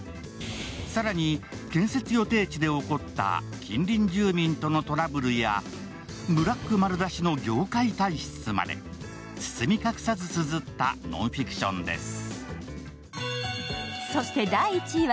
更に建設予定地で起こった近隣住民とのトラブルやブラック丸出しの業界体質まで包み隠さずつづったノンフィクションです。